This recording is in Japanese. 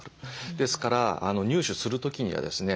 ですから入手する時にはですね